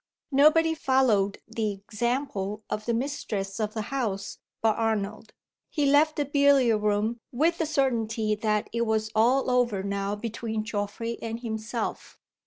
Nobody followed the example of the mistress of the house but Arnold. He left the billiard room with the certainty that it was all over now between Geoffrey and himself.